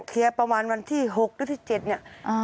เคลียร์ประมาณวันที่๖หรือที่๗นี่